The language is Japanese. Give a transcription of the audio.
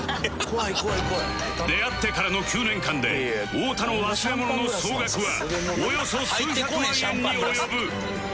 出会ってからの９年間で太田の忘れ物の総額はおよそ数百万円に及ぶ